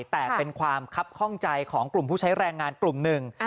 แต่เป็นความคับข้องใจของกลุ่มผู้ใช้แรงงานกลุ่มหนึ่ง